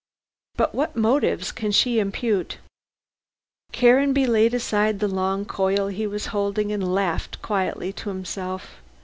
"But what motive can she impute " Caranby laid aside the long coil he was holding and laughed quietly to himself.